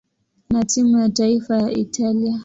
na timu ya taifa ya Italia.